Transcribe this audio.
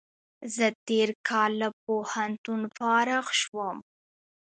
زه تېر کال له پوهنتون فارغ شوم